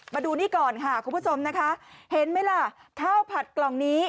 มาดูนี่ก่อนค่ะคุณผู้ชมนะคะเห็นไหมล่ะข้าวผัดกล่องนี้